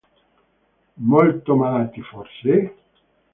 Molto malati forse?